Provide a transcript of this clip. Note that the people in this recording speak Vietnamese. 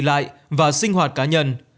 lại và sinh hoạt cá nhân